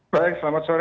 baik selamat sore